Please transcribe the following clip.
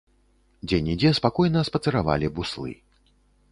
Дзе-нідзе спакойна спацыравалі буслы.